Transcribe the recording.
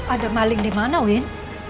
ada maling dimana win